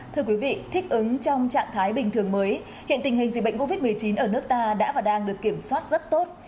thưa quý vị thích ứng trong trạng thái bình thường mới hiện tình hình dịch bệnh covid một mươi chín ở nước ta đã và đang được kiểm soát rất tốt